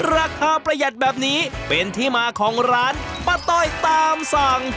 ประหยัดแบบนี้เป็นที่มาของร้านป้าต้อยตามสั่ง